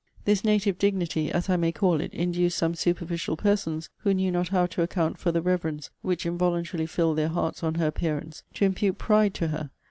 This native dignity, as I may call it, induced some superficial persons, who knew not how to account for the reverence which involuntarily filled their hearts on her appearance, to impute pride to her.